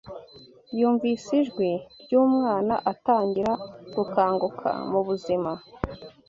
yumvise ijwi ry'umwana Atangira gukanguka mubuzima